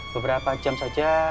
beberapa jam saja